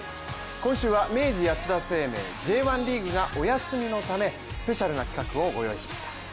今週は明治安田生命Ｊ１リーグがお休みのため、スペシャルな企画をご用意いたしました。